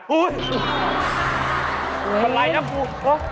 เฉลี่ยน้ำปู